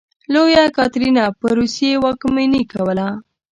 لویه کاترینه په روسیې واکمني کوله.